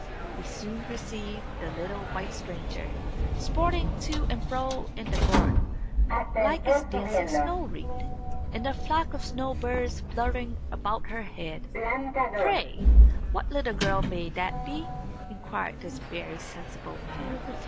He soon perceived the little white stranger, sporting to and fro in the garden, like a dancing snow wreath, and the flock of snow birds fluttering about her head. "Pray, what little girl may that be?" inquired this very sensible man.